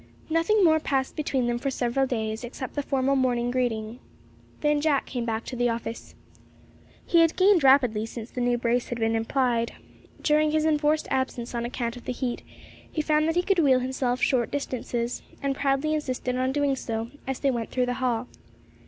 Nothing more passed between them for several days, except the formal morning greeting. Then Jack came back to the office. He had gained rapidly since the new brace had been applied. During his enforced absence on account of the heat, he found that he could wheel himself short distances, and proudly insisted on doing so, as they went through the hall.